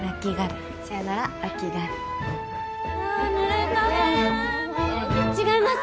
え違います。